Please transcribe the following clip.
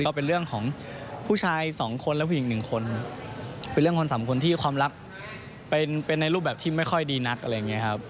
ก็เป็นเรื่องของผู้ชายสองคนและผู้หญิง๑คนเป็นเรื่องคนสามคนที่ความรักเป็นในรูปแบบที่ไม่ค่อยดีนักอะไรอย่างนี้ครับ